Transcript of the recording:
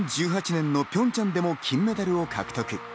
２０１８年のピョンチャンでも金メダルを獲得。